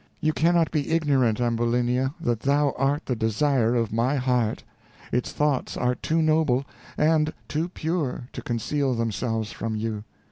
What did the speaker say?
You cannot be ignorant, Ambulinia, that thou art the desire of my heart; its thoughts are too noble, and too pure, to conceal themselves from you.